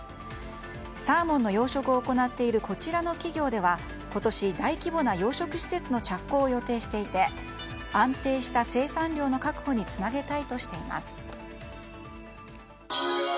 サーモンの養殖を行っているこちらの企業では今年、大規模な養殖施設の着工を予定していて安定した生産量の確保につなげたいとしています。